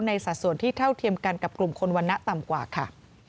สัดส่วนที่เท่าเทียมกันกับกลุ่มคนวรรณะต่ำกว่าค่ะ